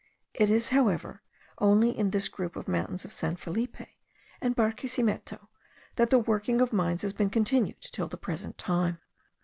It is, however, only in this group of mountains of San Felipe and Barquisimeto, that the working of mines has been continued till the present time.